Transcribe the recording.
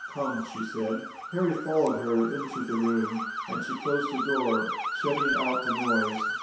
"Come," she said. Harry followed her into the room, and she closed the door, shutting out the noise.